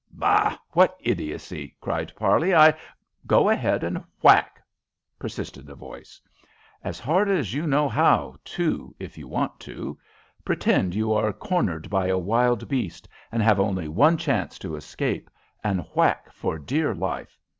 "Bah! What idiocy!" cried Parley. "I " "Go ahead and whack," persisted the voice. "As hard as you know how, too, if you want to. Pretend you are cornered by a wild beast, and have only one chance to escape, and whack for dear life.